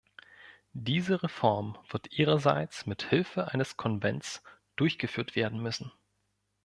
Diese Reform wird ihrerseits mit Hilfe eines Konvents durchgeführt werden müssen.